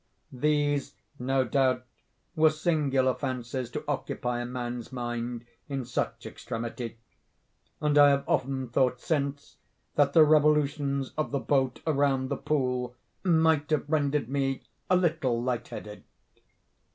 These, no doubt, were singular fancies to occupy a man's mind in such extremity—and I have often thought since, that the revolutions of the boat around the pool might have rendered me a little light headed.